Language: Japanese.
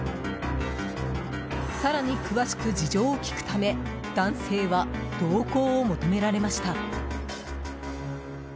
更に詳しく事情を聴くため男性は同行を求められました。